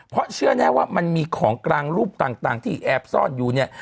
เพราะเชื่อแน่ว่ามันมีของกลางรูปต่างที่แอบซ่อนอยู่เนี่ย